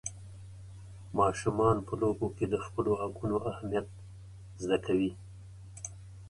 ماشومان په لوبو کې د خپلو حقونو اهمیت زده کوي.